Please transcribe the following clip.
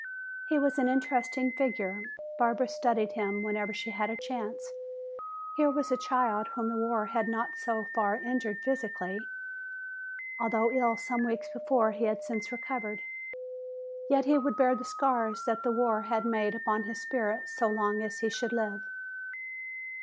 He was an interesting figure; Barbara studied him whenever she had a chance. Here was a child whom the war had not so far injured physically. Although ill some weeks before he had since recovered. Yet he would bear the scars that the war had made upon his spirit so long as he should live.